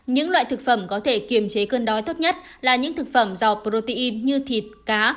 những loại thực phẩm có thể kiềm chế cơn đói tốt nhất là những thực phẩm do protein như thịt cá